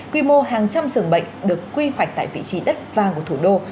quy mô hàng trăm dường bệnh được quy hoạch tại vị trí đất vàng của thủ đô